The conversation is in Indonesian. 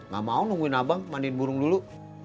gak mau nungguin abang mandiin burung dulu